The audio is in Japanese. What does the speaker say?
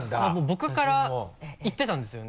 僕から言ってたんですよね。